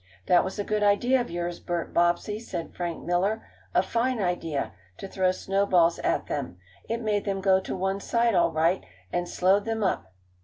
"That was a good idea of yours, Bert Bobbsey," said Frank Miller. "A fine idea, lo throw snowballs at them. It made them go to one side all right, and slowed them up."